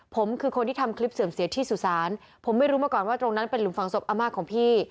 ผมคือคนที่ทำคลิปเสื่อมเสียที่สุสานผมไม่รู้มาก่อนว่าตรงนั้นเป็นหลุมฝังศพอาม่าของพี่